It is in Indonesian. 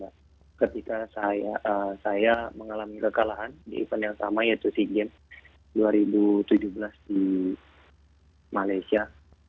dan dua ribu enam belas juga ketika saya mengalami kekalahan di event yang sama yaitu sigin dua ribu tujuh belas di malaysia